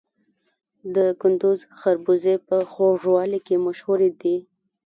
د کندز خربوزې په خوږوالي کې مشهورې دي.